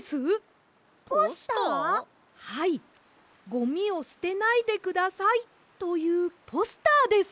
「ゴミをすてないでください」というポスターです！